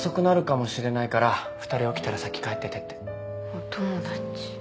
お友達。